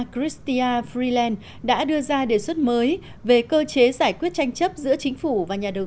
christia freeland đã đưa ra đề xuất mới về cơ chế giải quyết tranh chấp giữa chính phủ và nhà đầu